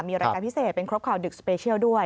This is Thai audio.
มีรายการพิเศษเป็นครบข่าวดึกสเปเชียลด้วย